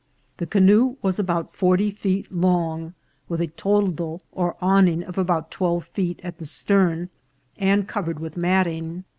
The canoe was about forty feet long, with a toldo or awning of about twelve feet at the stern, and covered with matting.